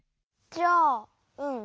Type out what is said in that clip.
じゃあうん。